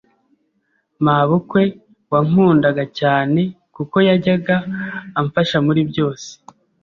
mabukwe wankundaga cyane kuko yajyaga amfasha muri byose,